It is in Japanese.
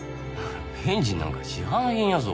ベンジンなんか市販品やぞ。